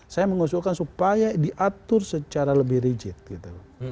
saya mengusulkan supaya diatur secara lebih rigid gitu